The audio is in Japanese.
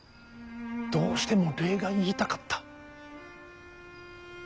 どうしても礼が言いたかった。